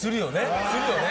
するよね！